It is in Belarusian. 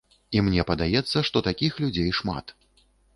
І мне падаецца, што такіх людзей шмат.